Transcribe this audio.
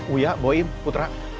uya boyin putra